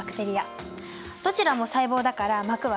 どちらも細胞だから膜はあるよね。